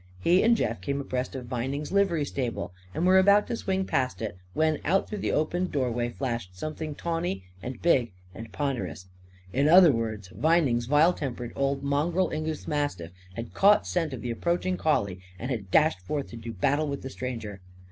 He and Jeff came abreast of Vining's livery stable, and were about to swing past it when out through the open doorway flashed something tawny and big and ponderous. In other words, Vining's vile tempered old mongrel English mastiff had caught scent of the approaching collie and had dashed forth to do battle with the stranger.